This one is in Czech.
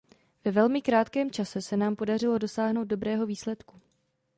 Ve velmi krátkém čase se nám podařilo dosáhnout dobrého výsledku.